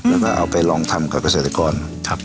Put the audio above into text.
แล้วก็เอาไปลองทำกับประเศษฐกรหนึ่งราย